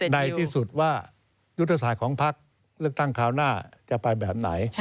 ในที่สุดว่ายุทธศาสตร์ของพักเลือกตั้งคราวหน้าจะไปแบบไหน